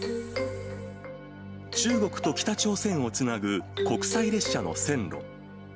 中国と北朝鮮をつなぐ国際列車の線路。